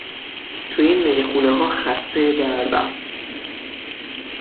تو این میخونهها خسته دردم